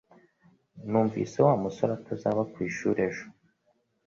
Numvise Wa musore atazaba ku ishuri ejo